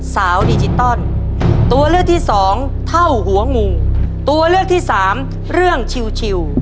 ดิจิตอลตัวเลือกที่สองเท่าหัวงูตัวเลือกที่สามเรื่องชิว